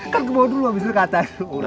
kan kebawa dulu abis itu kata